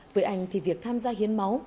với anh thì việc tham gia hiến máu